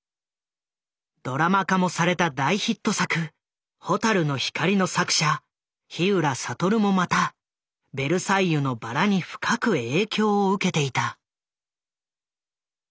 ドラマ化もされた大ヒット作「ホタルノヒカリ」の作者ひうらさとるもまた「ベルサイユのばら」に深く影響を受けていた。